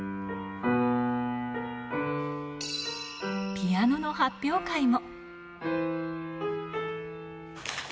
ピアノの発表会も。